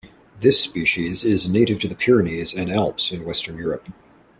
This species is native to the Pyrenees and Alps in western Europe.